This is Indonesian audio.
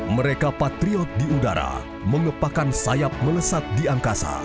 mereka patriot di udara mengepakan sayap melesat di angkasa